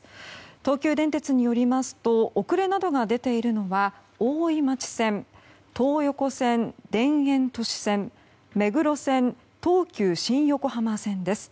東急電鉄によりますと遅れなどが出ているのは大井町線、東横線、田園都市線目黒線、東急新横浜線です。